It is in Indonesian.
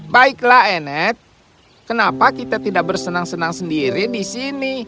baiklah enet kenapa kita tidak bersenang senang sendiri di sini